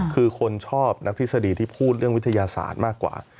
คือคนชอบนักทฤษฎีที่พูดเรื่องวิทยาศาสตร์มากกว่า